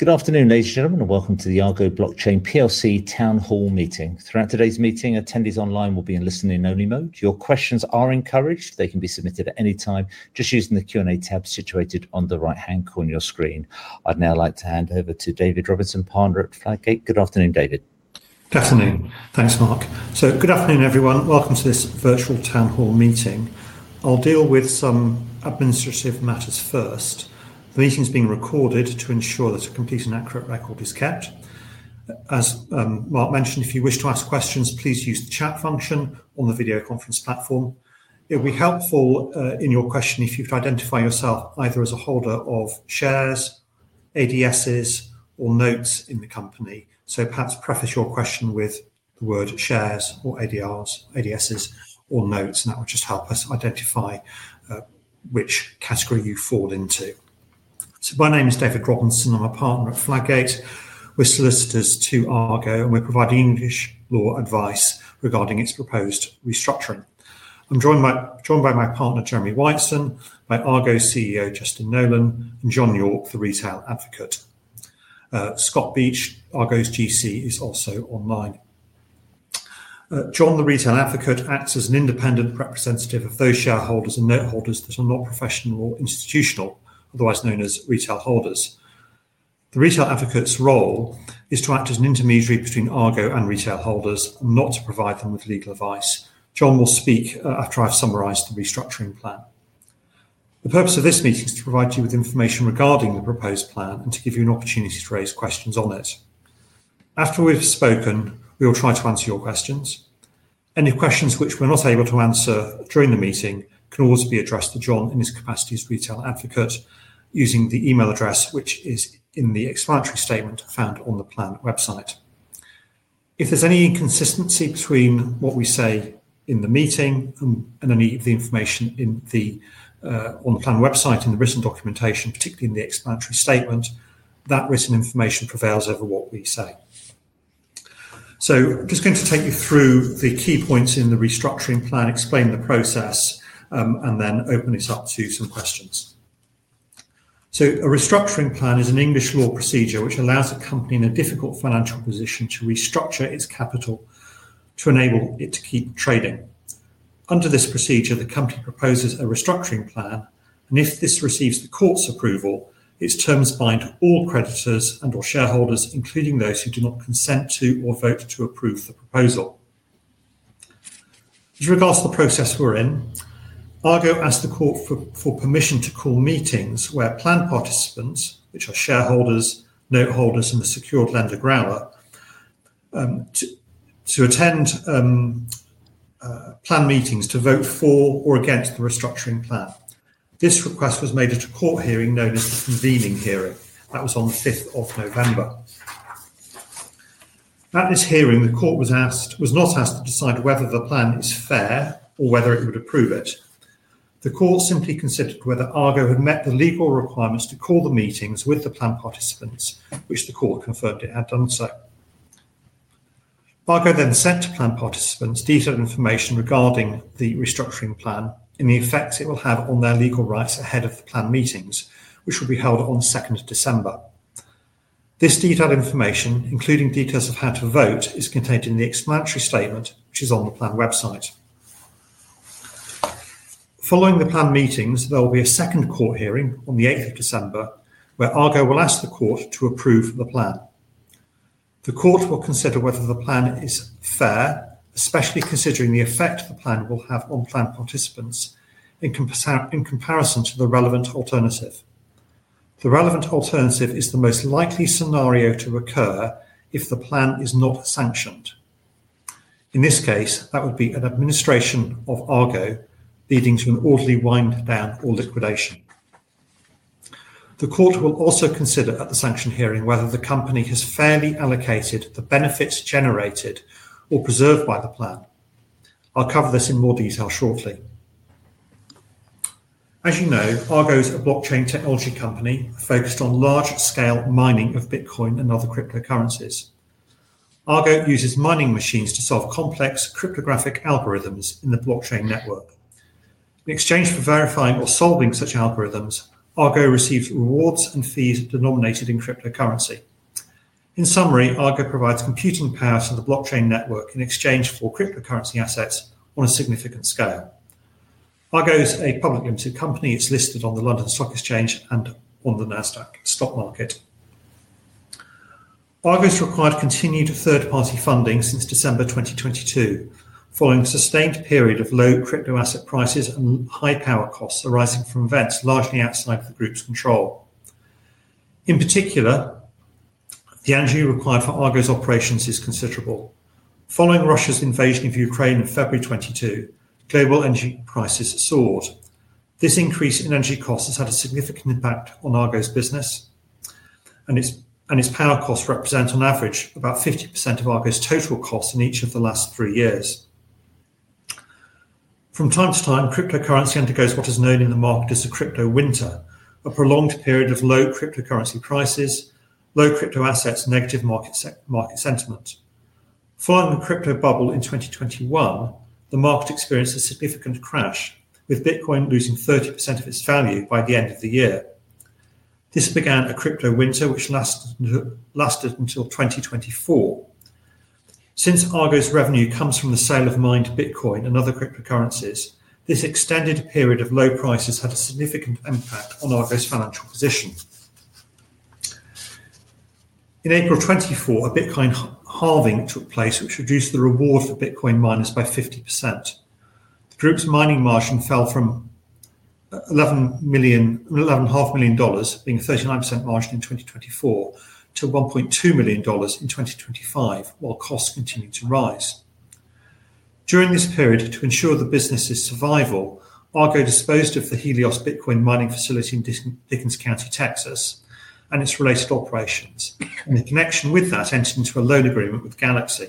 Good afternoon, ladies and gentlemen, and welcome to the Argo Blockchain town hall meeting. Throughout today's meeting, attendees online will be in listening-only mode. Your questions are encouraged; they can be submitted at any time just using the Q&A tab situated on the right-hand corner of your screen. I'd now like to hand over to David Robinson, Partner at Fladgate. Good afternoon, David. Good afternoon. Thanks, Mark. Good afternoon, everyone. Welcome to this virtual town hall meeting. I'll deal with some administrative matters first. The meeting is being recorded to ensure that a complete and accurate record is kept. As Mark mentioned, if you wish to ask questions, please use the chat function on the video conference platform. It would be helpful in your question if you could identify yourself either as a holder of shares, ADSs, or notes in the company. Perhaps preface your question with the word shares or ADSs or notes, and that will just help us identify which category you fall into. My name is David Robinson. I'm a partner at Fladgate. We're solicitors to Argo, and we provide English law advice regarding its proposed restructuring. I'm joined by my partner, Jeremy Whiteson, by Argo CEO, Justin Nolan, and Jon Yorke, the retail advocate. Scott Beech, Argo's General Counsel, is also online. Jon, the retail advocate, acts as an independent representative of those shareholders and note holders that are not professional or institutional, otherwise known as retail holders. The retail advocate's role is to act as an intermediary between Argo and retail holders, not to provide them with legal advice. Jon will speak after I've summarized the restructuring plan. The purpose of this meeting is to provide you with information regarding the proposed plan and to give you an opportunity to raise questions on it. After we've spoken, we will try to answer your questions. Any questions which we're not able to answer during the meeting can always be addressed to Jon in his capacity as retail advocate using the email address which is in the explanatory statement found on the plan website. If there's any inconsistency between what we say in the meeting and any of the information on the plan website in the written documentation, particularly in the explanatory statement, that written information prevails over what we say. I'm just going to take you through the key points in the restructuring plan, explain the process, and then open this up to some questions. A restructuring plan is an English law procedure which allows a company in a difficult financial position to restructure its capital to enable it to keep trading. Under this procedure, the company proposes a restructuring plan, and if this receives the court's approval, its terms bind all creditors and/or shareholders, including those who do not consent to or vote to approve the proposal. With regards to the process we're in, Argo asked the court for permission to call meetings where plan participants, which are shareholders, note holders, and the secured lender Growler, to attend plan meetings to vote for or against the restructuring plan. This request was made at a court hearing known as the convening hearing. That was on the 5th of November. At this hearing, the court was not asked to decide whether the plan is fair or whether it would approve it. The court simply considered whether Argo had met the legal requirements to call the meetings with the plan participants, which the court confirmed it had done so. Argo then sent to plan participants detailed information regarding the restructuring plan and the effects it will have on their legal rights ahead of the plan meetings, which will be held on the 2nd of December. This detailed information, including details of how to vote, is contained in the explanatory statement, which is on the plan website. Following the plan meetings, there will be a second court hearing on the 8th of December where Argo will ask the court to approve the plan. The court will consider whether the plan is fair, especially considering the effect the plan will have on plan participants in comparison to the relevant alternative. The relevant alternative is the most likely scenario to occur if the plan is not sanctioned. In this case, that would be an administration of Argo leading to an orderly wind-down or liquidation. The court will also consider at the sanction hearing whether the company has fairly allocated the benefits generated or preserved by the plan. I'll cover this in more detail shortly. As you know, Argo is a blockchain technology company focused on large-scale mining of Bitcoin and other cryptocurrencies. Argo uses mining machines to solve complex cryptographic algorithms in the blockchain network. In exchange for verifying or solving such algorithms, Argo receives rewards and fees denominated in cryptocurrency. In summary, Argo provides computing power to the blockchain network in exchange for cryptocurrency assets on a significant scale. Argo is a public-limited company. It's listed on the London Stock Exchange and on the Nasdaq stock market. Argo has required continued third-party funding since December 2022 following a sustained period of low crypto asset prices and high power costs arising from events largely outside the group's control. In particular, the energy required for Argo's operations is considerable. Following Russia's invasion of Ukraine in February 2022, global energy prices soared. This increase in energy costs has had a significant impact on Argo's business, and its power costs represent, on average, about 50% of Argo's total costs in each of the last three years. From time to time, cryptocurrency undergoes what is known in the market as a crypto winter, a prolonged period of low cryptocurrency prices, low crypto assets, and negative market sentiment. Following the crypto bubble in 2021, the market experienced a significant crash, with Bitcoin losing 30% of its value by the end of the year. This began a crypto winter, which lasted until 2024. Since Argo's revenue comes from the sale of mined Bitcoin and other cryptocurrencies, this extended period of low prices had a significant impact on Argo's financial position. In April 2024, a Bitcoin halving took place, which reduced the reward for Bitcoin miners by 50%. The group's mining margin fell from $11.5 million being a 39% margin in 2024 to $1.2 million in 2025, while costs continued to rise. During this period, to ensure the business's survival, Argo disposed of the Helios Bitcoin mining facility in Dickens County, Texas, and its related operations. In connection with that, it entered into a loan agreement with Galaxy.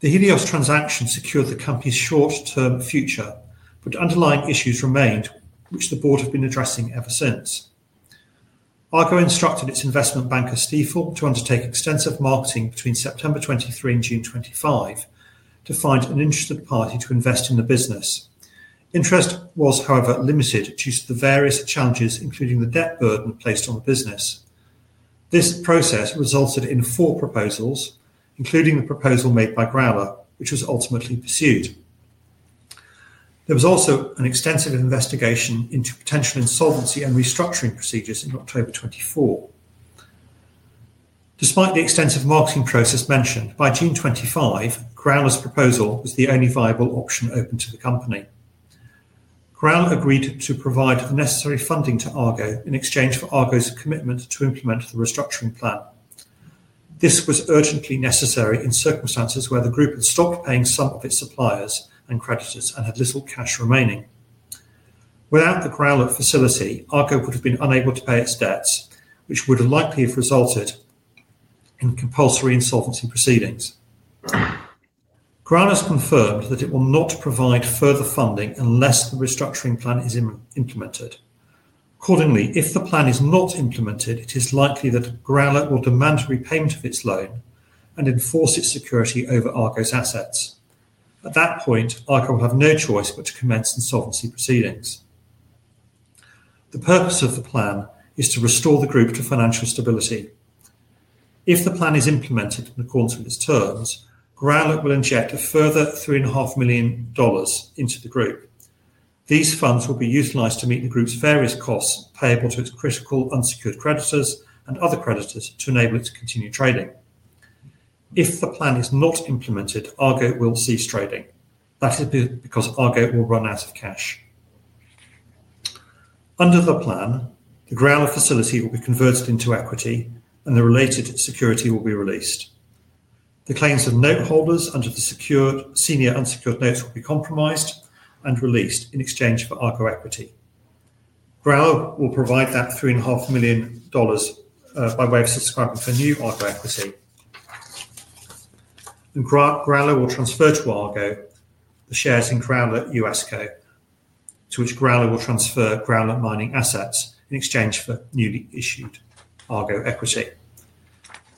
The Helios transaction secured the company's short-term future, but underlying issues remained, which the board have been addressing ever since. Argo instructed its investment banker, Stifel, to undertake extensive marketing between September 2023 and June 2025 to find an interested party to invest in the business. Interest was, however, limited due to the various challenges, including the debt burden placed on the business. This process resulted in four proposals, including the proposal made by Growler, which was ultimately pursued. There was also an extensive investigation into potential insolvency and restructuring procedures in October 2024. Despite the extensive marketing process mentioned, by June 2025, Growler's proposal was the only viable option open to the company. Growler agreed to provide the necessary funding to Argo in exchange for Argo's commitment to implement the restructuring plan. This was urgently necessary in circumstances where the group had stopped paying some of its suppliers and creditors and had little cash remaining. Without the Growler facility, Argo would have been unable to pay its debts, which would have likely resulted in compulsory insolvency proceedings. Growler has confirmed that it will not provide further funding unless the restructuring plan is implemented. Accordingly, if the plan is not implemented, it is likely that Growler will demand repayment of its loan and enforce its security over Argo's assets. At that point, Argo will have no choice but to commence insolvency proceedings. The purpose of the plan is to restore the group to financial stability. If the plan is implemented in accordance with its terms, Growler will inject a further $3.5 million into the group. These funds will be utilized to meet the group's various costs payable to its critical unsecured creditors and other creditors to enable it to continue trading. If the plan is not implemented, Argo will cease trading. That is because Argo will run out of cash. Under the plan, the Growler facility will be converted into equity, and the related security will be released. The claims of note holders under the senior unsecured notes will be compromised and released in exchange for Argo equity. Growler will provide that $3.5 million by way of subscribing for new Argo equity. Growler will transfer to Argo the shares in Growler USCo, to which Growler will transfer Growler mining assets in exchange for newly issued Argo equity.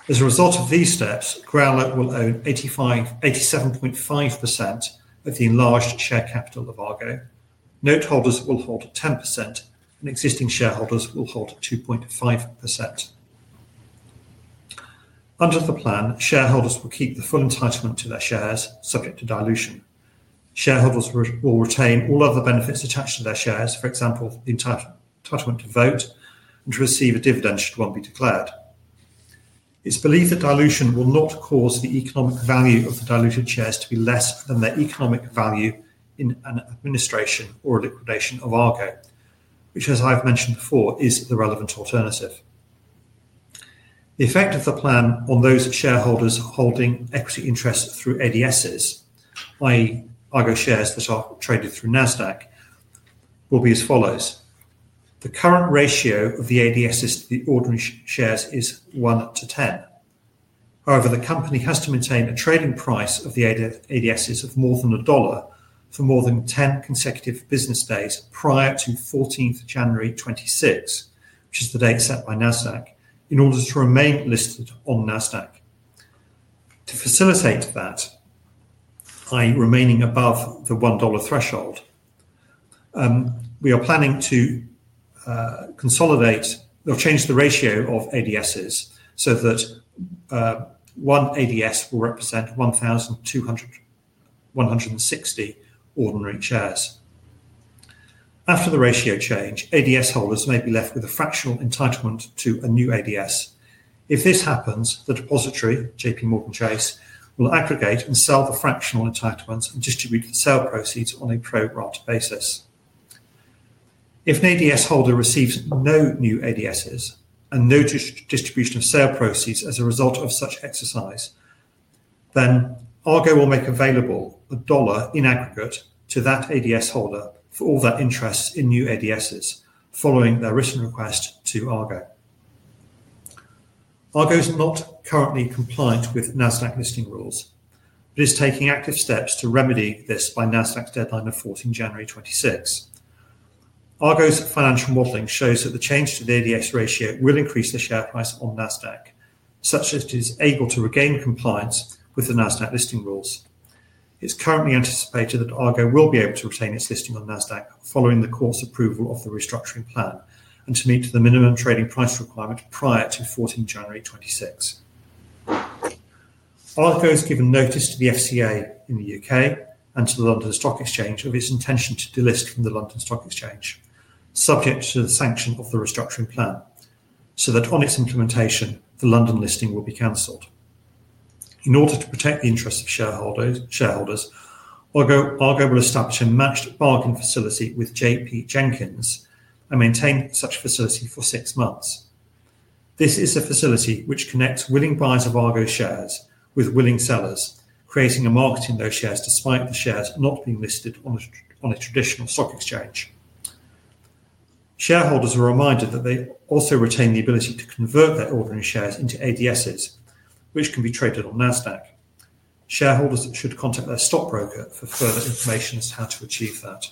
As a result of these steps, Growler will own 87.5% of the enlarged share capital of Argo. Note holders will hold 10%, and existing shareholders will hold 2.5%. Under the plan, shareholders will keep the full entitlement to their shares, subject to dilution. Shareholders will retain all other benefits attached to their shares, for example, the entitlement to vote and to receive a dividend should one be declared. It's believed that dilution will not cause the economic value of the diluted shares to be less than their economic value in an administration or a liquidation of Argo, which, as I've mentioned before, is the relevant alternative. The effect of the plan on those shareholders holding equity interests through ADSs, i.e., Argo shares that are traded through Nasdaq, will be as follows. The current ratio of the ADSs to the ordinary shares is 1 to 10. However, the company has to maintain a trading price of the ADSs of more than $1 for more than 10 consecutive business days prior to 14th of January 2026, which is the date set by Nasdaq, in order to remain listed on Nasdaq. To facilitate that, i.e., remaining above the $1 threshold, we are planning to change the ratio of ADSs so that one ADS will represent 1,260 ordinary shares. After the ratio change, ADS holders may be left with a fractional entitlement to a new ADS. If this happens, the depository, JPMorgan & Chase, will aggregate and sell the fractional entitlements and distribute the sale proceeds on a pro-rata basis. If an ADS holder receives no new ADSs and no distribution of sale proceeds as a result of such exercise, then Argo will make available $1 in aggregate to that ADS holder for all their interests in new ADSs following their written request to Argo. Argo is not currently compliant with Nasdaq listing rules, but is taking active steps to remedy this by Nasdaq's deadline of January 14, 2026. Argo's financial modeling shows that the change to the ADS ratio will increase the share price on Nasdaq, such that it is able to regain compliance with the Nasdaq listing rules. It's currently anticipated that Argo will be able to retain its listing on Nasdaq following the court's approval of the restructuring plan and to meet the minimum trading price requirement prior to January 14, 2026. Argo has given notice to the FCA in the U.K. and to the London Stock Exchange of its intention to delist from the London Stock Exchange, subject to the sanction of the restructuring plan, so that on its implementation, the London listing will be canceled. In order to protect the interests of shareholders, Argo will establish a matched bargain facility with JP Jenkins and maintain such facility for six months. This is a facility which connects willing buyers of Argo's shares with willing sellers, creating a market in those shares despite the shares not being listed on a traditional stock exchange. Shareholders are reminded that they also retain the ability to convert their ordinary shares into ADSs, which can be traded on Nasdaq. Shareholders should contact their stock broker for further information as to how to achieve that.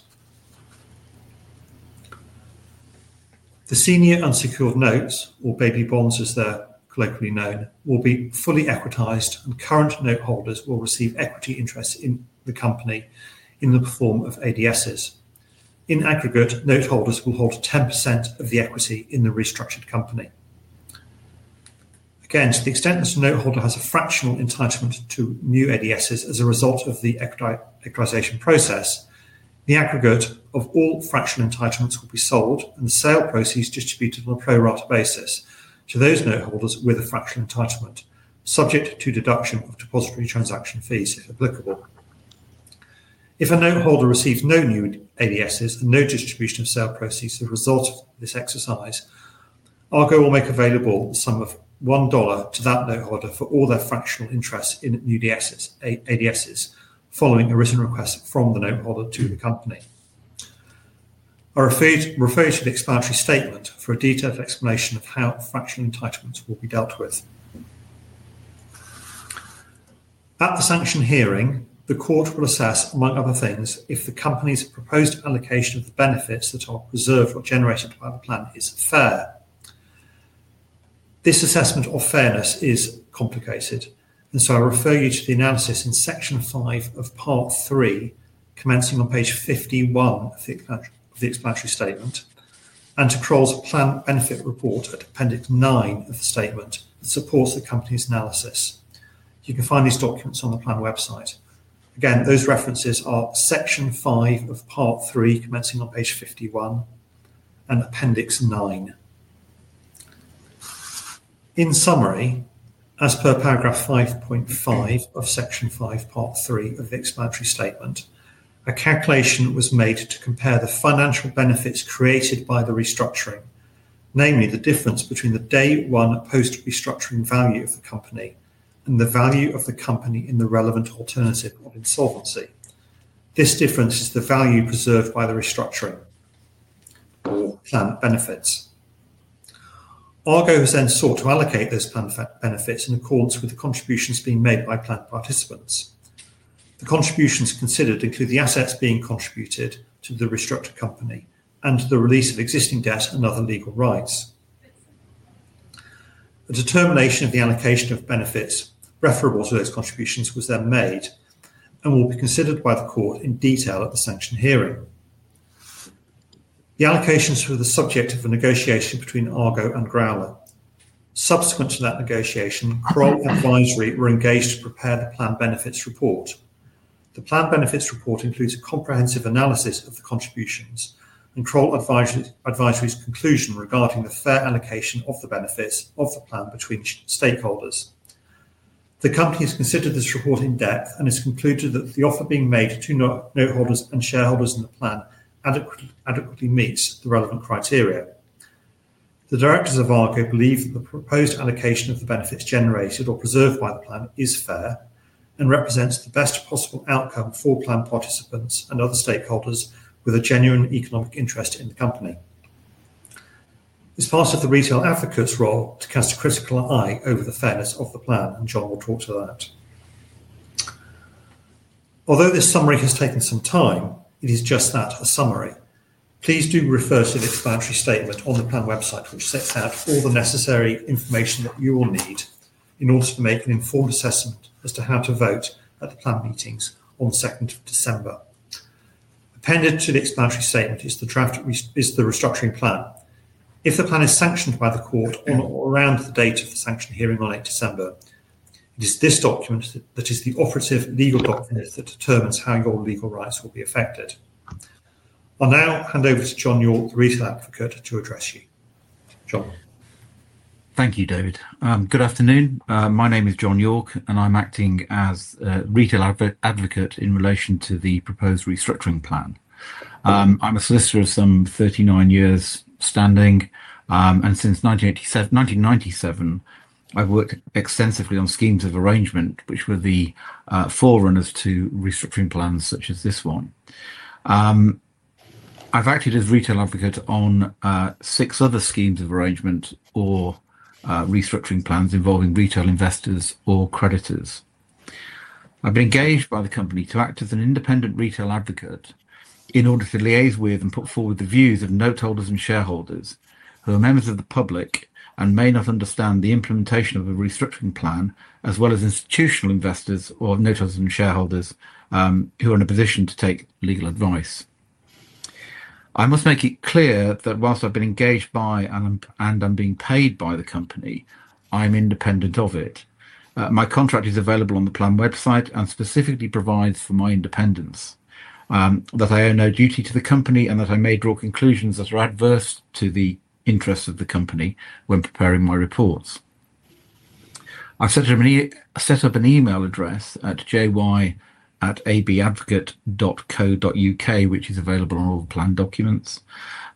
The senior unsecured notes, or baby bonds as they're colloquially known, will be fully equitized, and current note holders will receive equity interests in the company in the form of ADSs. In aggregate, note holders will hold 10% of the equity in the restructured company. Again, to the extent that a note holder has a fractional entitlement to new ADSs as a result of the equitization process, the aggregate of all fractional entitlements will be sold, and the sale proceeds distributed on a pro-rata basis to those note holders with a fractional entitlement, subject to deduction of depository transaction fees if applicable. If a note holder receives no new ADSs and no distribution of sale proceeds as a result of this exercise, Argo will make available the sum of $1 to that note holder for all their fractional interests in new ADSs following a written request from the note holder to the company. I refer you to the explanatory statement for a detailed explanation of how fractional entitlements will be dealt with. At the sanction hearing, the court will assess, among other things, if the company's proposed allocation of the benefits that are preserved or generated by the plan is fair. This assessment of fairness is complicated, and so I refer you to the analysis in Section 5 of Part 3, commencing on page 51 of the explanatory statement, and to Crowell Advisory's Plan Benefit Report at Appendix 9 of the statement that supports the company's analysis. You can find these documents on the plan website. Again, those references are Section 5 of Part 3, commencing on page 51, and Appendix 9. In summary, as per paragraph 5.5 of Section 5, Part 3 of the explanatory statement, a calculation was made to compare the financial benefits created by the restructuring, namely the difference between the day-one post-restructuring value of the company and the value of the company in the relevant alternative of insolvency. This difference is the value preserved by the restructuring or plan benefits. Argo has then sought to allocate those plan benefits in accordance with the contributions being made by plan participants. The contributions considered include the assets being contributed to the restructured company and the release of existing debts and other legal rights. A determination of the allocation of benefits referable to those contributions was then made and will be considered by the court in detail at the sanction hearing. The allocations were the subject of a negotiation between Argo and Growler. Subsequent to that negotiation, Crowell Advisory were engaged to prepare the plan benefits report. The plan benefits report includes a comprehensive analysis of the contributions and Crowell Advisory's conclusion regarding the fair allocation of the benefits of the plan between stakeholders. The company has considered this report in depth and has concluded that the offer being made to note holders and shareholders in the plan adequately meets the relevant criteria. The directors of Argo believe that the proposed allocation of the benefits generated or preserved by the plan is fair and represents the best possible outcome for plan participants and other stakeholders with a genuine economic interest in the company. It's part of the retail advocate's role to cast a critical eye over the fairness of the plan, and Jon will talk to that. Although this summary has taken some time, it is just that, a summary. Please do refer to the explanatory statement on the plan website, which sets out all the necessary information that you will need in order to make an informed assessment as to how to vote at the plan meetings on 2nd of December. Appended to the explanatory statement is the restructuring plan. If the plan is sanctioned by the court or around the date of the sanction hearing on 8th December, it is this document that is the operative legal document that determines how your legal rights will be affected. I'll now hand over to Jon Yorke, the retail advocate, to address you. Jon. Thank you, David. Good afternoon. My name is Jon Yorke, and I'm acting as a retail advocate in relation to the proposed restructuring plan. I'm a solicitor of some 39 years standing, and since 1997, I've worked extensively on schemes of arrangement, which were the forerunners to restructuring plans such as this one. I've acted as retail advocate on six other schemes of arrangement or restructuring plans involving retail investors or creditors. I've been engaged by the company to act as an independent retail advocate in order to liaise with and put forward the views of note holders and shareholders who are members of the public and may not understand the implementation of a restructuring plan, as well as institutional investors or note holders and shareholders who are in a position to take legal advice. I must make it clear that whilst I've been engaged by and I'm being paid by the company, I'm independent of it. My contract is available on the plan website and specifically provides for my independence, that I owe no duty to the company, and that I may draw conclusions that are adverse to the interests of the company when preparing my reports. I've set up an email address at jy@abadvocate.co.U.K., which is available on all the plan documents,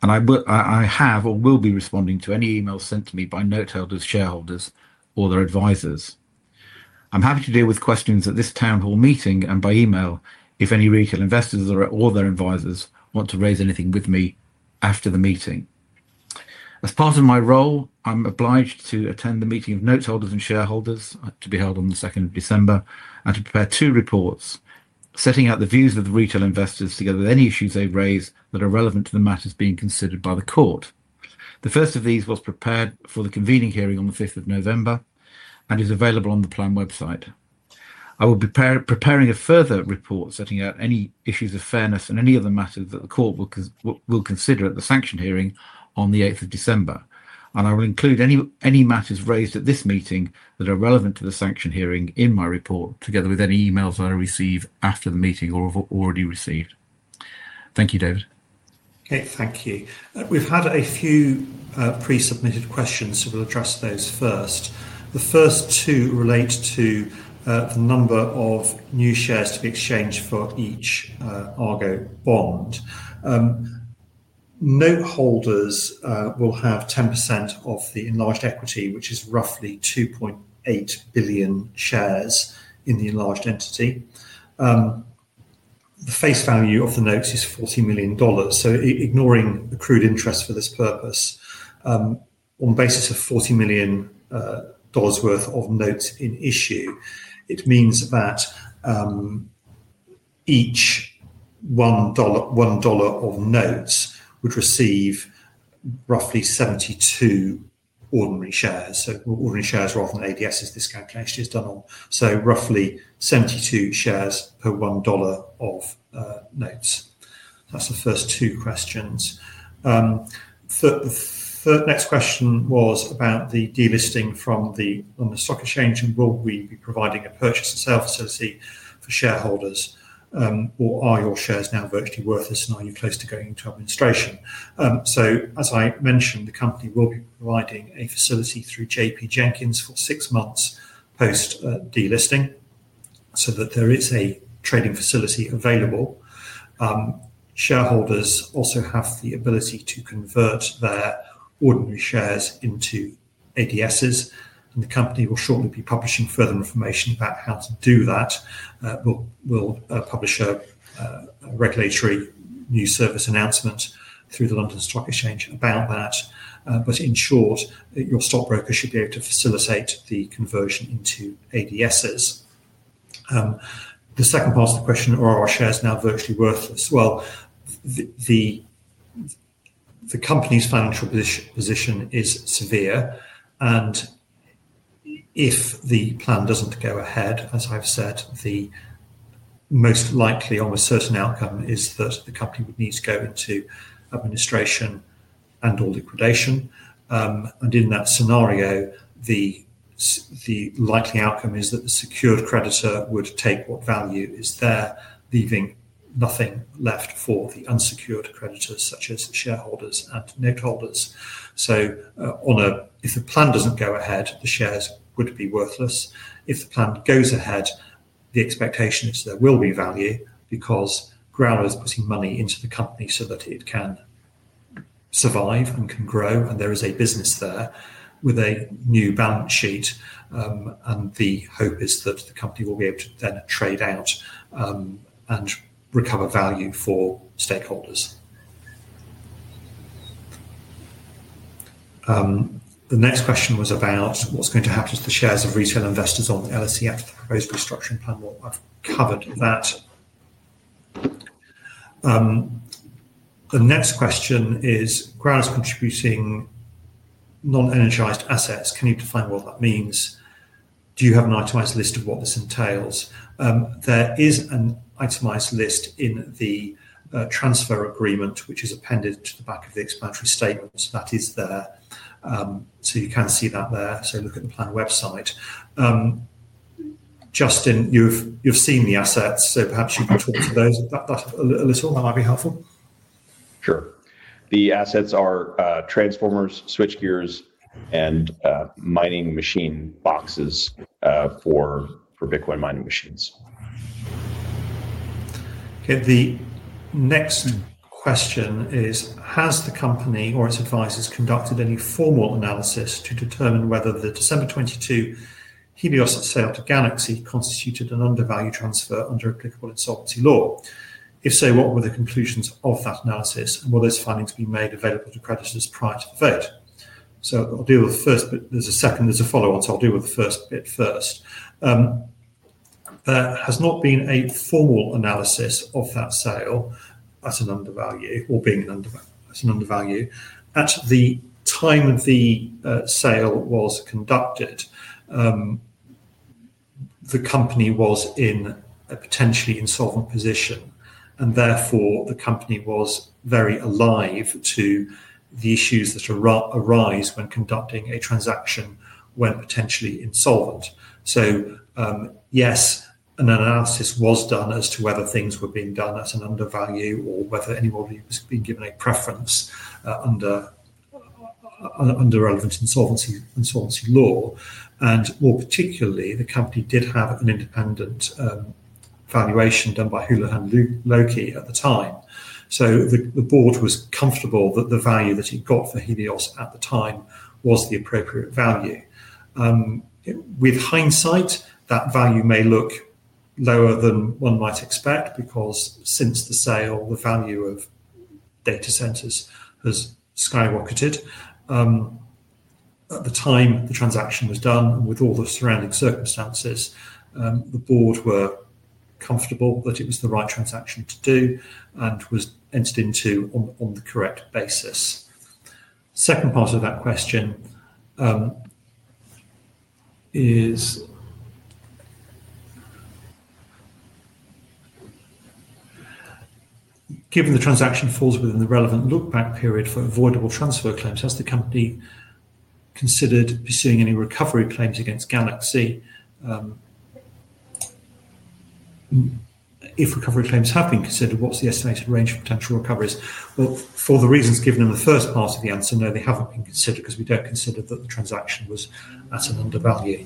and I have or will be responding to any emails sent to me by note holders, shareholders, or their advisors. I'm happy to deal with questions at this town hall meeting and by email if any retail investors or their advisors want to raise anything with me after the meeting. As part of my role, I'm obliged to attend the meeting of note holders and shareholders to be held on the 2nd of December and to prepare two reports setting out the views of the retail investors together with any issues they raise that are relevant to the matters being considered by the court. The first of these was prepared for the convening hearing on the 5th of November and is available on the plan website. I will be preparing a further report setting out any issues of fairness and any other matters that the court will consider at the sanction hearing on the 8th of December, and I will include any matters raised at this meeting that are relevant to the sanction hearing in my report together with any emails I receive after the meeting or have already received. Thank you, David. Okay, thank you. We've had a few pre-submitted questions, so we'll address those first. The first two relate to the number of new shares to be exchanged for each Argo bond. Note holders will have 10% of the enlarged equity, which is roughly 2.8 billion shares in the enlarged entity. The face value of the notes is $40 million, so ignoring the crude interest for this purpose, on the basis of $40 million worth of notes in issue, it means that each $1 of notes would receive roughly 72 ordinary shares. Ordinary shares rather than ADSs, this calculation is done on. Roughly 72 shares per $1 of notes. That's the first two questions. The next question was about the delisting from the London Stock Exchange, and will we be providing a purchase and sale facility for shareholders, or are your shares now virtually worthless, and are you close to going into administration? As I mentioned, the company will be providing a facility through JP Jenkins for six months post-delisting so that there is a trading facility available. Shareholders also have the ability to convert their ordinary shares into ADSs, and the company will shortly be publishing further information about how to do that. We will publish a regulatory news service announcement through the London Stock Exchange about that, but in short, your stock broker should be able to facilitate the conversion into ADSs. The second part of the question, are our shares now virtually worthless? The company's financial position is severe, and if the plan doesn't go ahead, as I've said, the most likely almost certain outcome is that the company would need to go into administration and/or liquidation. In that scenario, the likely outcome is that the secured creditor would take what value is there, leaving nothing left for the unsecured creditors, such as shareholders and note holders. If the plan doesn't go ahead, the shares would be worthless. If the plan goes ahead, the expectation is there will be value because Growler is putting money into the company so that it can survive and can grow, and there is a business there with a new balance sheet, and the hope is that the company will be able to then trade out and recover value for stakeholders. The next question was about what's going to happen to the shares of retail investors on the LSE after the proposed restructuring plan. I've covered that. The next question is, Growler's contributing non-energized assets. Can you define what that means? Do you have an itemized list of what this entails? There is an itemized list in the transfer agreement, which is appended to the back of the explanatory statements. That is there, so you can see that there. Look at the plan website. Justin, you've seen the assets, so perhaps you can talk to those a little. That might be helpful. Sure. The assets are transformers, switchgears, and mining machine boxes for Bitcoin mining machines. Okay. The next question is, has the company or its advisors conducted any formal analysis to determine whether the December 22 Helios sale to Galaxy constituted an undervalued transfer under applicable insolvency law? If so, what were the conclusions of that analysis, and were those findings being made available to creditors prior to the vote? I'll deal with the first bit. There's a second. There's a follow-on, so I'll deal with the first bit first. There has not been a formal analysis of that sale as an undervalue or being an undervalue. At the time of the sale that was conducted, the company was in a potentially insolvent position, and therefore the company was very alive to the issues that arise when conducting a transaction when potentially insolvent. Yes, an analysis was done as to whether things were being done at an undervalue or whether anybody was being given a preference under relevant insolvency law. More particularly, the company did have an independent valuation done by Houlihan Lokey at the time. The board was comfortable that the value that it got for Helios at the time was the appropriate value. With hindsight, that value may look lower than one might expect because since the sale, the value of data centers has skyrocketed. At the time the transaction was done, and with all the surrounding circumstances, the board were comfortable that it was the right transaction to do and was entered into on the correct basis. The second part of that question is, given the transaction falls within the relevant lookback period for avoidable transfer claims, has the company considered pursuing any recovery claims against Galaxy? If recovery claims have been considered, what's the estimated range of potential recoveries? For the reasons given in the first part of the answer, no, they haven't been considered because we don't consider that the transaction was at an undervalue.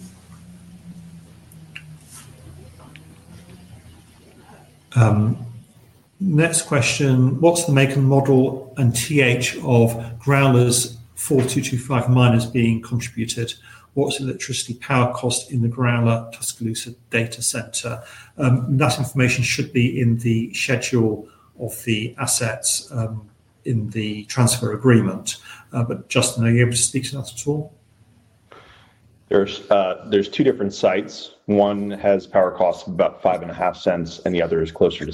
Next question, what's the make and model and TH of Growler's 4,225 miners being contributed? What's the electricity power cost in the Growler Tuscaloosa data center? That information should be in the schedule of the assets in the transfer agreement. But Justin, are you able to speak to that at all? There are two different sites. One has power costs of about $0.055, and the other is closer to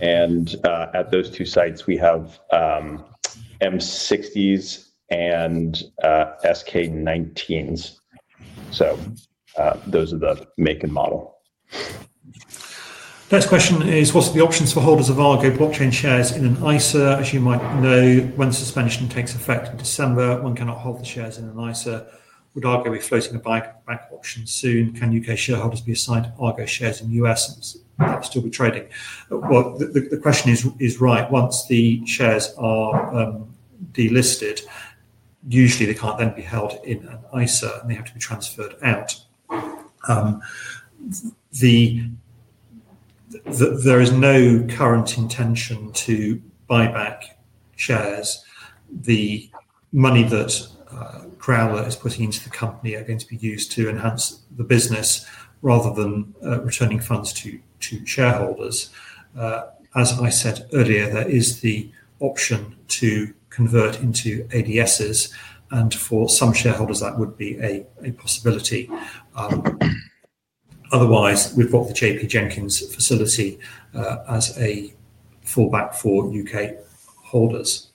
$0.06. At those two sites, we have M60s and SK19s. Those are the make and model. Next question is, what's the options for holders of Argo Blockchain shares in an ISA? As you might know, when suspension takes effect in December, one cannot hold the shares in an ISA. Would Argo be floating a bank option soon? Can U.K. shareholders be assigned Argo shares in the U.S.? Will that still be trading? The question is right. Once the shares are delisted, usually they can't then be held in an ISA, and they have to be transferred out. There is no current intention to buy back shares. The money that Growler is putting into the company are going to be used to enhance the business rather than returning funds to shareholders. As I said earlier, there is the option to convert into ADSs, and for some shareholders, that would be a possibility. Otherwise, we've got the JP Jenkins facility as a fallback for U.K. holders.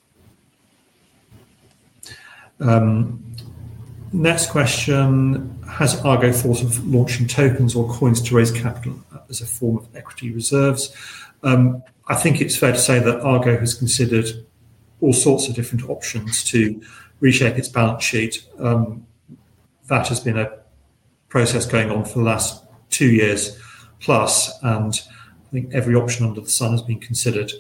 Next question, has Argo thought of launching tokens or coins to raise capital as a form of equity reserves? I think it's fair to say that Argo has considered all sorts of different options to reshape its balance sheet. That has been a process going on for the last two years plus, and I think every option under the sun has been considered.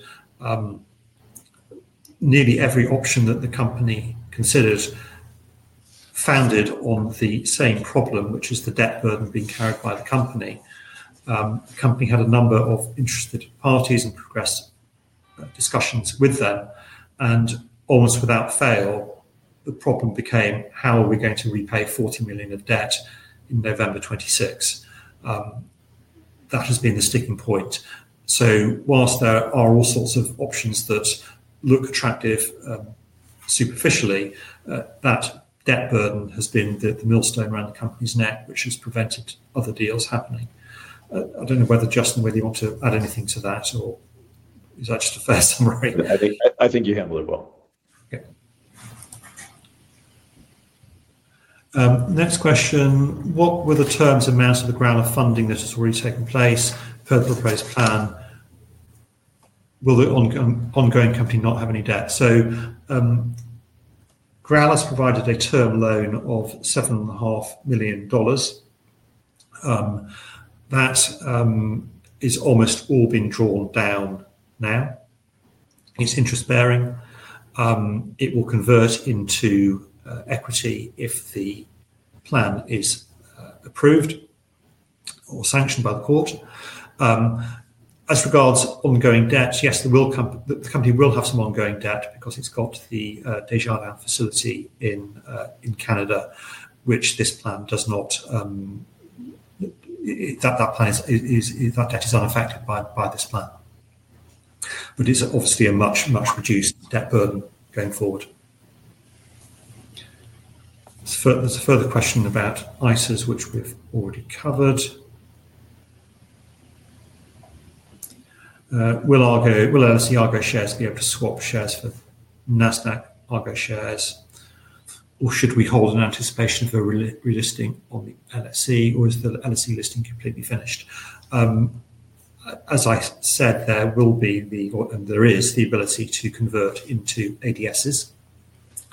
Nearly every option that the company considered founded on the same problem, which is the debt burden being carried by the company. The company had a number of interested parties and progressed discussions with them, and almost without fail, the problem became, how are we going to repay $40 million of debt in November 2026? That has been the sticking point. Whilst there are all sorts of options that look attractive superficially, that debt burden has been the millstone around the company's neck, which has prevented other deals happening. I do not know whether, Justin, whether you want to add anything to that, or is that just a fair summary? I think you handled it well. Okay. Next question, what were the terms and matters of the Growler funding that has already taken place per the proposed plan? Will the ongoing company not have any debt? Growler's provided a term loan of $7.5 million. That is almost all being drawn down now. It's interest-bearing. It will convert into equity if the plan is approved or sanctioned by the court. As regards ongoing debts, yes, the company will have some ongoing debt because it's got the Desjardins facility in Canada, which this plan does not, that debt is unaffected by this plan. It's obviously a much, much reduced debt burden going forward. There's a further question about ISAs, which we've already covered. Will LSE Argo shares be able to swap shares for Nasdaq Argo shares, or should we hold in anticipation for relisting on the LSE, or is the LSE listing completely finished? As I said, there will be the, and there is the ability to convert into ADSs.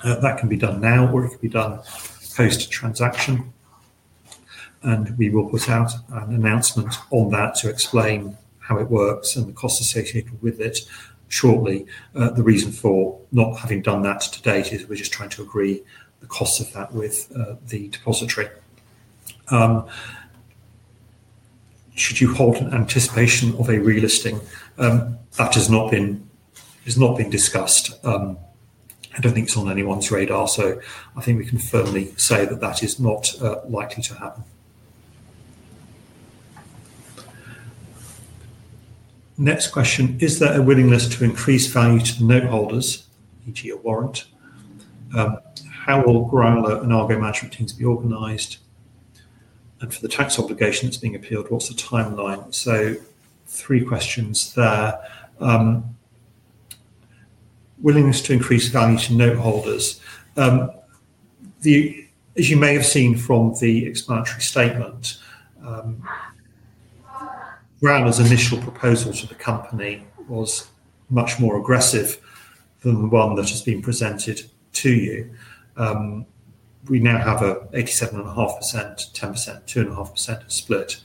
That can be done now, or it can be done post-transaction, and we will put out an announcement on that to explain how it works and the costs associated with it shortly. The reason for not having done that to date is we're just trying to agree the costs of that with the depository. Should you hold in anticipation of a relisting? That has not been discussed. I don't think it's on anyone's radar, so I think we can firmly say that that is not likely to happen. Next question, is there a willingness to increase value to the note holders, e.g., a warrant? How will Growler and Argo management teams be organized? And for the tax obligation that's being appealed, what's the timeline? So three questions there. Willingness to increase value to note holders? As you may have seen from the explanatory statement, Growler's initial proposal to the company was much more aggressive than the one that has been presented to you. We now have an 87.5%, 10%, 2.5% split.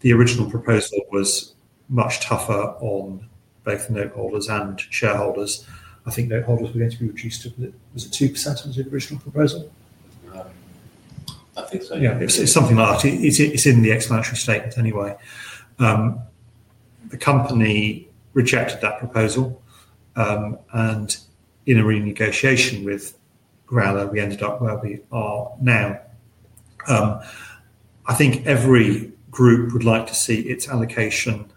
The original proposal was much tougher on both note holders and shareholders. I think note holders were going to be reduced to, was it 2% of the original proposal? I think so. Yeah, it's something like that. It's in the explanatory statement anyway. The company rejected that proposal, and in a renegotiation with Growler, we ended up where we are now. I think every group would like to see its allocation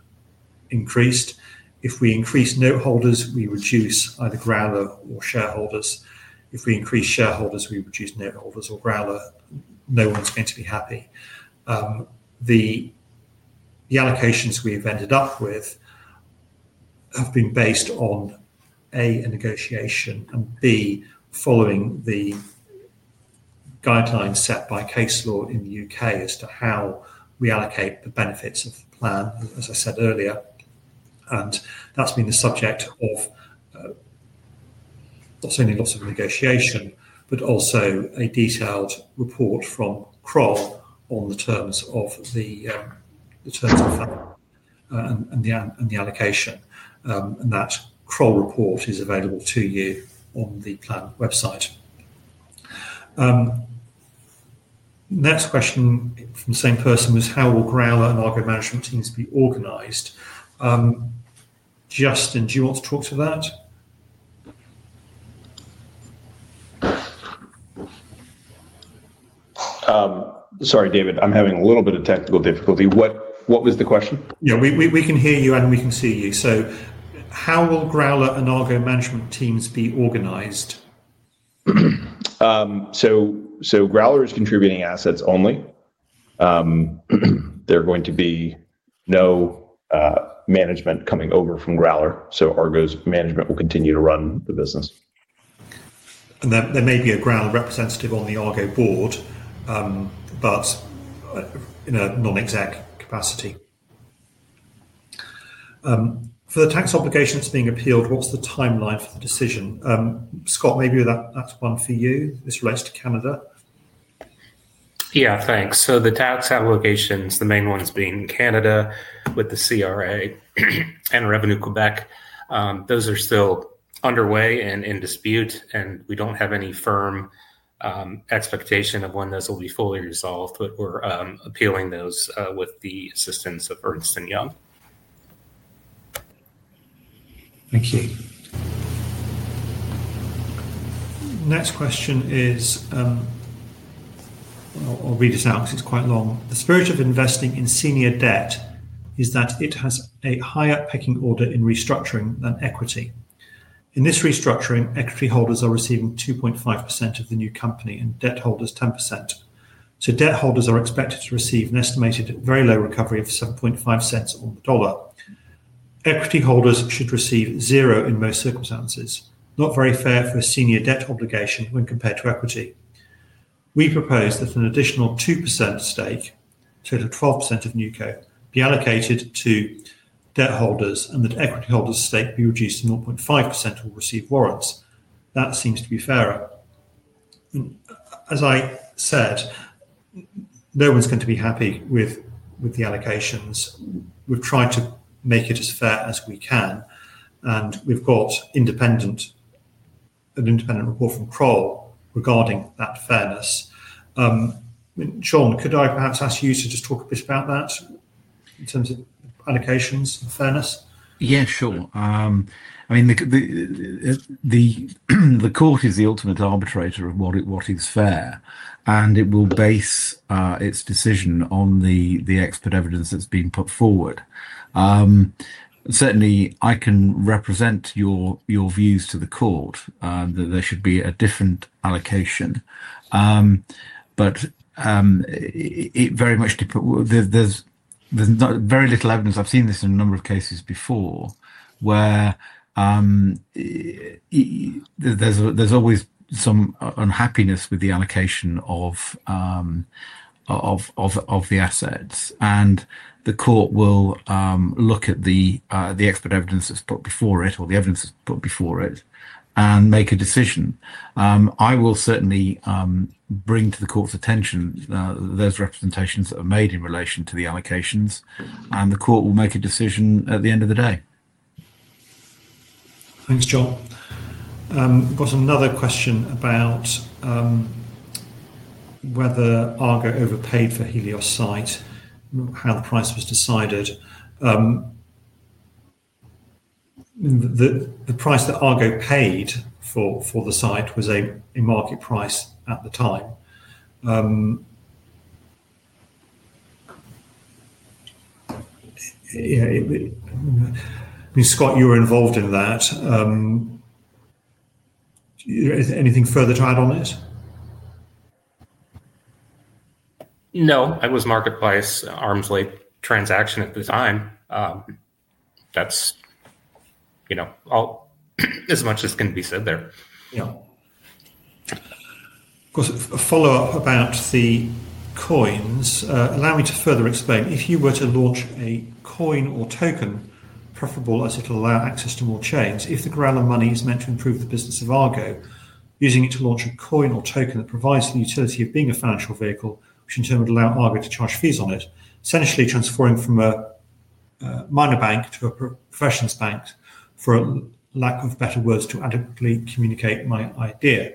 increased. If we increase note holders, we reduce either Growler or shareholders. If we increase shareholders, we reduce note holders or Growler, no one's going to be happy. The allocations we've ended up with have been based on, A, a negotiation, and B, following the guidelines set by case law in the U.K. as to how we allocate the benefits of the plan, as I said earlier. That's been the subject of not only lots of negotiation, but also a detailed report from Kroll on the terms of the plan and the allocation. That Kroll report is available to you on the plan website. Next question from the same person was, how will Growler and Argo management teams be organized? Justin, do you want to talk to that? Sorry, David. I'm having a little bit of technical difficulty. What was the question? Yeah, we can hear you and we can see you. How will Growler and Argo management teams be organized? Growler is contributing assets only. There are going to be no management coming over from Growler. Argo's management will continue to run the business. There may be a Growler representative on the Argo board, but in a non-exec capacity. For the tax obligations being appealed, what's the timeline for the decision? Scott, maybe that's one for you. This relates to Canada. Yeah, thanks. The tax allocations, the main ones being Canada with the CRA and Revenue Quebec, those are still underway and in dispute, and we don't have any firm expectation of when those will be fully resolved, but we're appealing those with the assistance of Ernst & Young. Thank you. Next question is, I'll read this out because it's quite long. The spirit of investing in senior debt is that it has a higher pecking order in restructuring than equity. In this restructuring, equity holders are receiving 2.5% of the new company and debt holders 10%. Debt holders are expected to receive an estimated very low recovery of $0.075 on the dollar. Equity holders should receive zero in most circumstances. Not very fair for a senior debt obligation when compared to equity. We propose that an additional 2% stake, total 12% of Nuco, be allocated to debt holders and that equity holders' stake be reduced to 0.5% or receive warrants. That seems to be fairer. As I said, no one's going to be happy with the allocations. We've tried to make it as fair as we can, and we've got an independent report from Kroll regarding that fairness. Sean, could I perhaps ask you to just talk a bit about that in terms of allocations and fairness? Yeah, sure. I mean, the court is the ultimate arbitrator of what is fair, and it will base its decision on the expert evidence that's been put forward. Certainly, I can represent your views to the court that there should be a different allocation, but it very much there's very little evidence. I've seen this in a number of cases before where there's always some unhappiness with the allocation of the assets, and the court will look at the expert evidence that's put before it or the evidence that's put before it and make a decision. I will certainly bring to the court's attention those representations that are made in relation to the allocations, and the court will make a decision at the end of the day. Thanks, Jon. We've got another question about whether Argo overpaid for Helios' site, how the price was decided. The price that Argo paid for the site was a market price at the time. I mean, Scott, you were involved in that. Anything further to add on it? No. It was market price, arm's length transaction at the time. That's as much as can be said there. Of course, a follow-up about the coins. Allow me to further explain. If you were to launch a coin or token, preferable as it'll allow access to more chains, if the Growler money is meant to improve the business of Argo, using it to launch a coin or token that provides the utility of being a financial vehicle, which in turn would allow Argo to charge fees on it, essentially transforming from a minor bank to a professional bank, for lack of better words to adequately communicate my idea,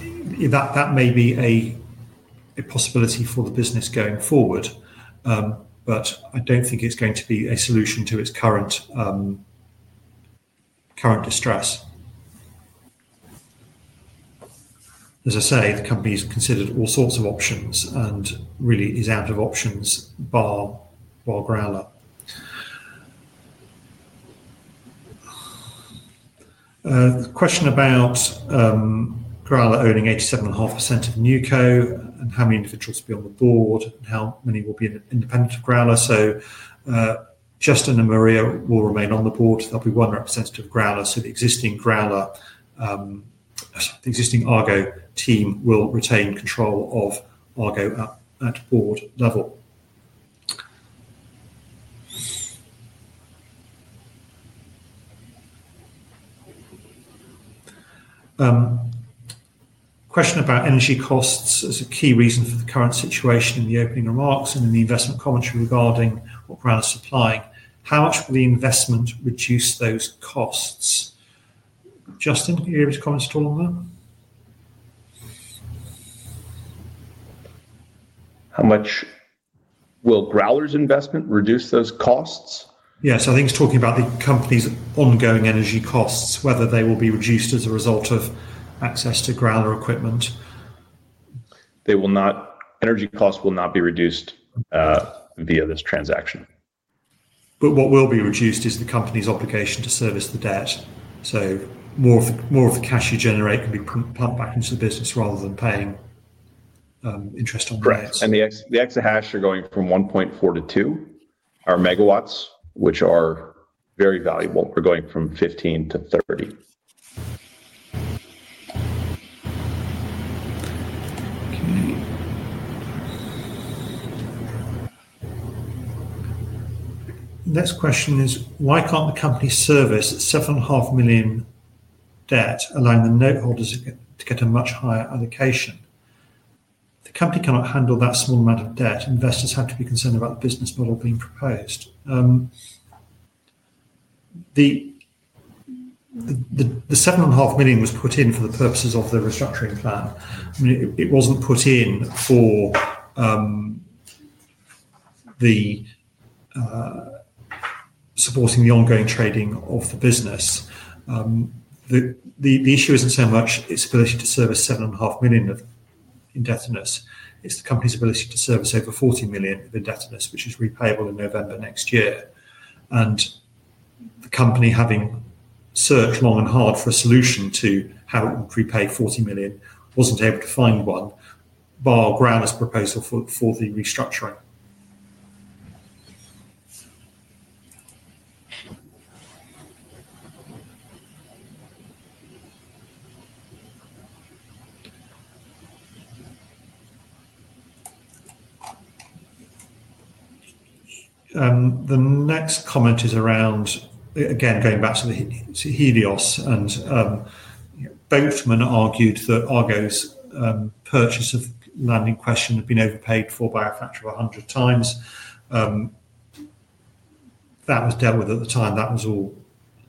that may be a possibility for the business going forward. I don't think it's going to be a solution to its current distress. As I say, the company has considered all sorts of options and really is out of options bar Growler. The question about Growler owning 87.5% of Nuco and how many individuals to be on the board and how many will be independent of Growler. Justin and Maria will remain on the board. There will be one representative of Growler. The existing Argo team will retain control of Argo at board level. Question about energy costs as a key reason for the current situation in the opening remarks and in the investment commentary regarding what Growler is supplying. How much will the investment reduce those costs? Justin, do you have any comments at all on that? How much will Growler's investment reduce those costs? Yes. I think he is talking about the company's ongoing energy costs, whether they will be reduced as a result of access to Growler equipment. Energy costs will not be reduced via this transaction. What will be reduced is the company's obligation to service the debt. More of the cash you generate can be pumped back into the business rather than paying interest on the debt. Correct. The exahash are going from 1.4 to 2, our megawatts, which are very valuable. We're going from 15 MW to 30 MW. Next question is, why can't the company service $7.5 million debt allowing the note holders to get a much higher allocation? The company cannot handle that small amount of debt. Investors have to be concerned about the business model being proposed. The $7.5 million was put in for the purposes of the restructuring plan. It wasn't put in for supporting the ongoing trading of the business. The issue isn't so much its ability to service $7.5 million of indebtedness. It's the company's ability to service over $40 million of indebtedness, which is repayable in November next year. The company, having searched long and hard for a solution to how it would repay $40 million, wasn't able to find one bar Growler's proposal for the restructuring. The next comment is around, again, going back to the Helios, and Boatman argued that Argo's purchase of land in question had been overpaid for by a factor of 100 times. That was dealt with at the time. That was all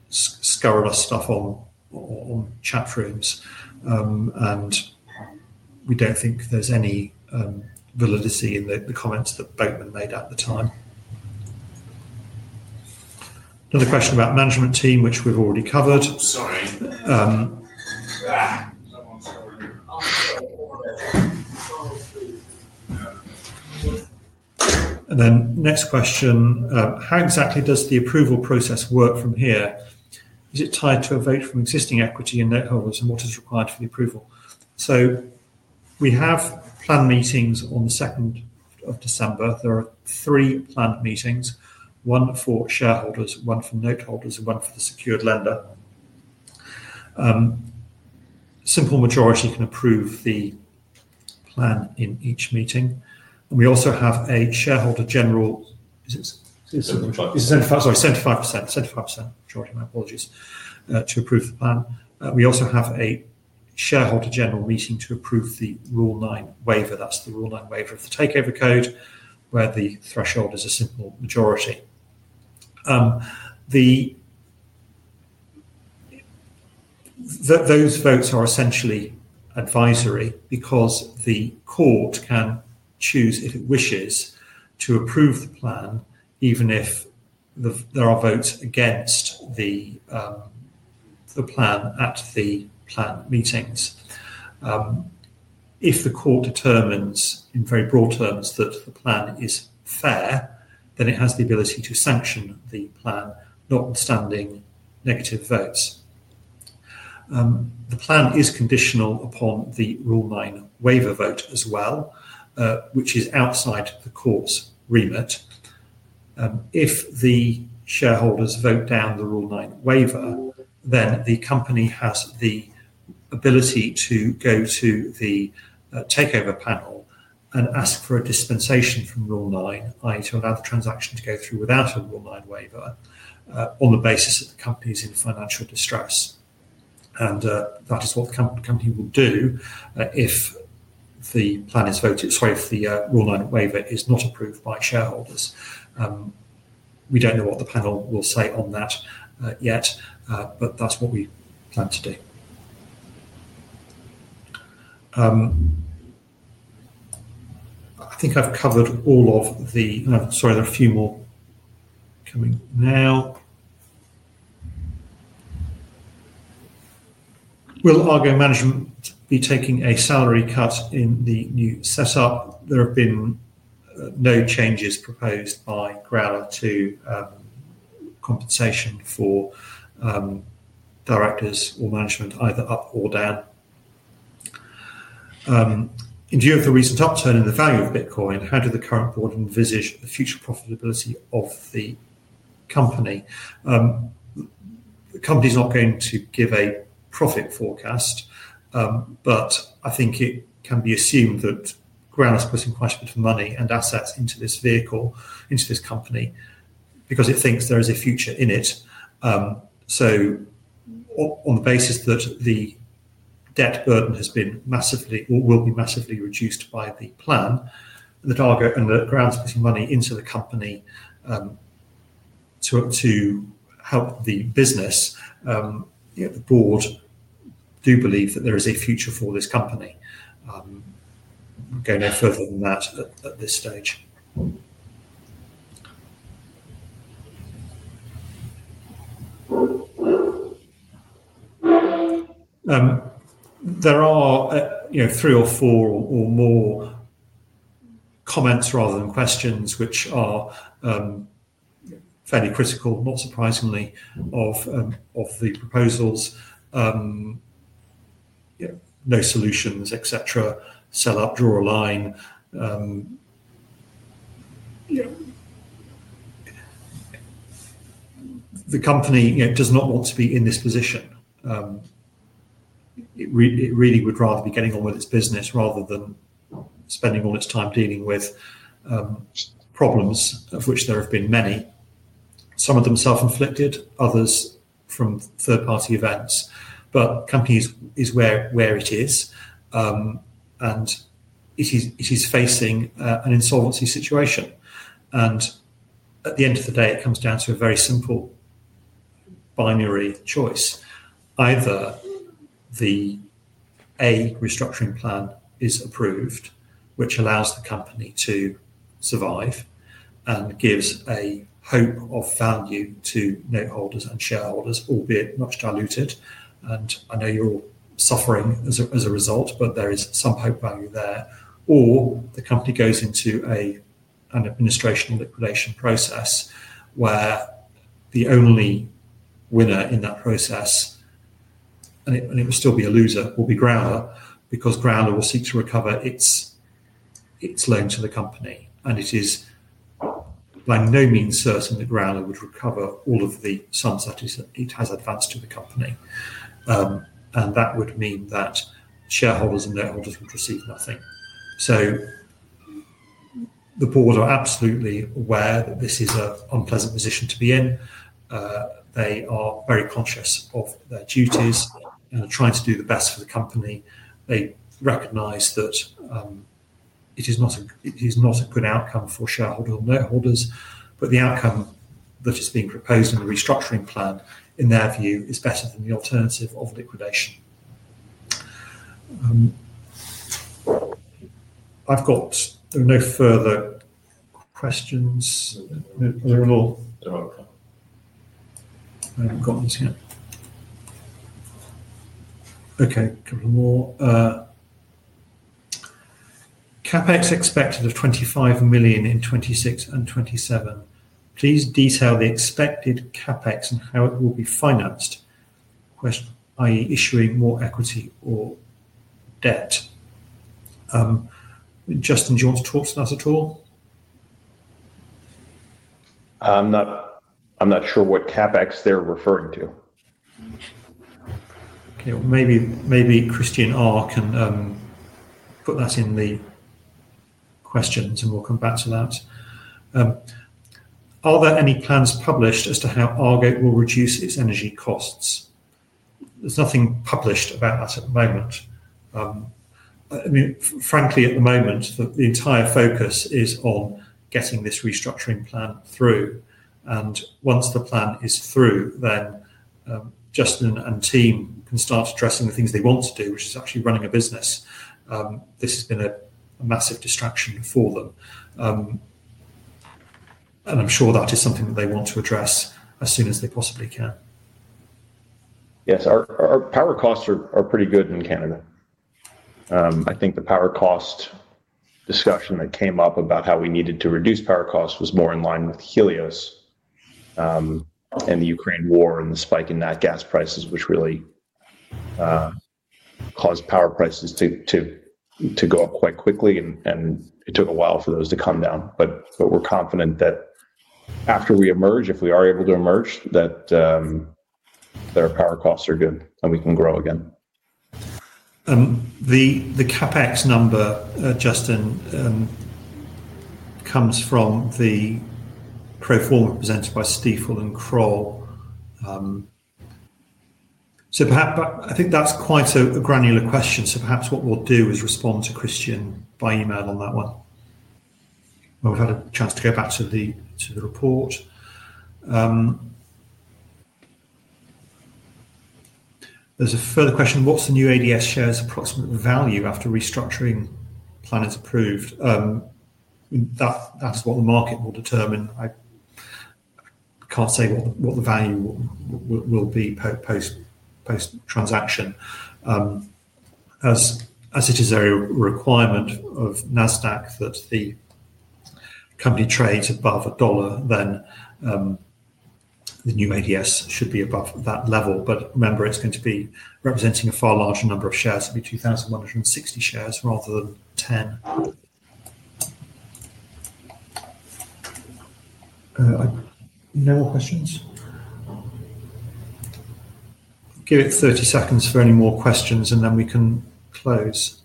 scurrilous stuff on chat rooms, and we do not think there is any validity in the comments that Boatman made at the time. Another question about the management team, which we have already covered. Sorry. Next question, how exactly does the approval process work from here? Is it tied to a vote from existing equity and note holders, and what is required for the approval? We have planned meetings on the 2nd of December. There are three planned meetings, one for shareholders, one for note holders, and one for the secured lender. A simple majority can approve the plan in each meeting. We also have a 75% majority, my apologies, to approve the plan. We also have a shareholder general meeting to approve the Rule 9 waiver. That is the Rule 9 waiver of the takeover code, where the threshold is a simple majority. Those votes are essentially advisory because the court can choose, if it wishes, to approve the plan, even if there are votes against the plan at the planned meetings. If the court determines, in very broad terms, that the plan is fair, then it has the ability to sanction the plan, notwithstanding negative votes. The plan is conditional upon the Rule 9 waiver vote as well, which is outside the court's remit. If the shareholders vote down the Rule 9 waiver, then the company has the ability to go to the Takeover Panel and ask for a dispensation from Rule 9, i.e., to allow the transaction to go through without a Rule 9 waiver on the basis that the company is in financial distress. That is what the company will do if the plan is voted—sorry, if the Rule 9 waiver is not approved by shareholders. We do not know what the panel will say on that yet, but that is what we plan to do. I think I have covered all of the—sorry, there are a few more coming now. Will Argo management be taking a salary cut in the new setup? There have been no changes proposed by Growler to compensation for directors or management, either up or down. In view of the recent upturn in the value of Bitcoin, how do the current board envisage the future profitability of the company? The company's not going to give a profit forecast, but I think it can be assumed that Growler's putting quite a bit of money and assets into this vehicle, into this company, because it thinks there is a future in it. On the basis that the debt burden has been massively or will be massively reduced by the plan, and that Growler's putting money into the company to help the business, the board do believe that there is a future for this company. We'll go no further than that at this stage. There are three or four or more comments rather than questions which are fairly critical, not surprisingly, of the proposals. No solutions, etc., sell up, draw a line. The company does not want to be in this position. It really would rather be getting on with its business rather than spending all its time dealing with problems, of which there have been many. Some of them self-inflicted, others from third-party events. The company is where it is, and it is facing an insolvency situation. At the end of the day, it comes down to a very simple binary choice. Either the restructuring plan is approved, which allows the company to survive and gives a hope of value to note holders and shareholders, albeit much diluted. I know you're all suffering as a result, but there is some hope value there. The company goes into an administration liquidation process where the only winner in that process—and it will still be a loser—will be Growler because Growler will seek to recover its loan to the company. It is by no means certain that Growler would recover all of the sums that it has advanced to the company. That would mean that shareholders and note holders would receive nothing. The board are absolutely aware that this is an unpleasant position to be in. They are very conscious of their duties and are trying to do the best for the company. They recognize that it is not a good outcome for shareholders and note holders, but the outcome that is being proposed in the restructuring plan, in their view, is better than the alternative of liquidation. There are no further questions. I have not got anything yet. Okay. A couple more. CapEx expected of $25 million in 2026 and 2027. Please detail the expected CapEx and how it will be financed, i.e., issuing more equity or debt. Justin, do you want to talk to us at all? I'm not sure what CapEx they're referring to. Okay. Maybe Christian Arc can put that in the questions, and we'll come back to that. Are there any plans published as to how Argo will reduce its energy costs? There's nothing published about that at the moment. I mean, frankly, at the moment, the entire focus is on getting this restructuring plan through. Once the plan is through, then Justin and team can start addressing the things they want to do, which is actually running a business. This has been a massive distraction for them. I'm sure that is something that they want to address as soon as they possibly can. Yes. Our power costs are pretty good in Canada. I think the power cost discussion that came up about how we needed to reduce power costs was more in line with Helios and the Ukraine war and the spike in natural gas prices, which really caused power prices to go up quite quickly, and it took a while for those to come down. We are confident that after we emerge, if we are able to emerge, that our power costs are good and we can grow again. The CapEx number, Justin, comes from the pro forma presented by Stephen Kroll. I think that's quite a granular question. Perhaps what we'll do is respond to Christian by email on that one. We've had a chance to go back to the report. There's a further question. What's the new ADS shares' approximate value after restructuring plan is approved? That's what the market will determine. I can't say what the value will be post-transaction. As it is a requirement of Nasdaq that the company trades above a dollar, then the new ADS should be above that level. Remember, it's going to be representing a far larger number of shares. It'll be 2,160 shares rather than 10. No more questions? Give it 30 seconds for any more questions, and then we can close.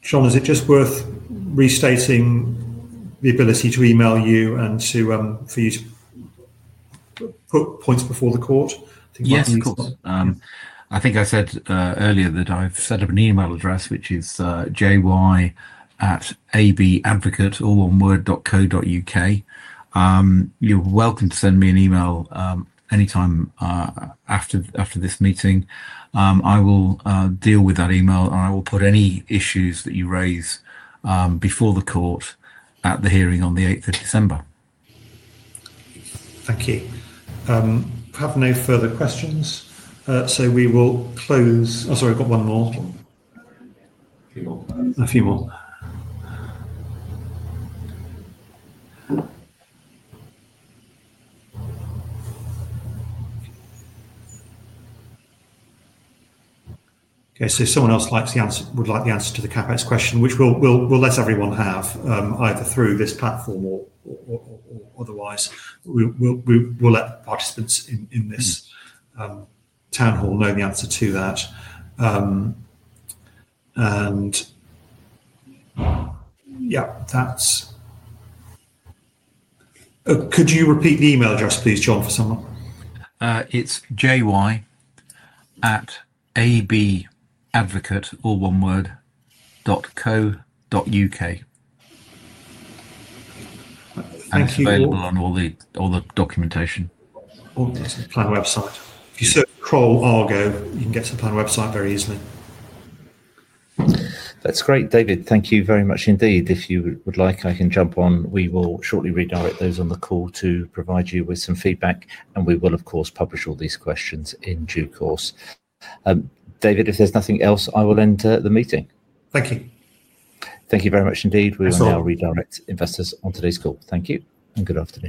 Sean, is it just worth restating the ability to email you and for you to put points before the court? Yes. I think I said earlier that I've set up an email address, which is jy@abadvocate.co.uk, all one word. You're welcome to send me an email anytime after this meeting. I will deal with that email, and I will put any issues that you raise before the court at the hearing on the 8th of December. Thank you. Have no further questions. We will close—oh, sorry, I have one more. A few more. A few more. Okay. Someone else would like the answer to the CapEx question, which we will let everyone have, either through this platform or otherwise. We will let participants in this town hall know the answer to that. Yeah, that is—could you repeat the email address, please, Jon, for someone? It is jy@abadvocate.co.uk, all one word. Thank you. It is available on all the documentation. Or the plan website. If you search Kroll Argo, you can get to the plan website very easily. That is great, David. Thank you very much indeed. If you would like, I can jump on. We will shortly redirect those on the call to provide you with some feedback, and we will, of course, publish all these questions in due course. David, if there's nothing else, I will end the meeting. Thank you. Thank you very much indeed. We will now redirect investors on today's call. Thank you and good afternoon.